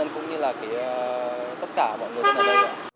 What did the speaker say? cũng như là tất cả mọi người ở đây